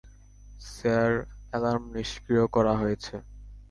Sir, alarm নিষ্ক্রিয় করা হয়েছে।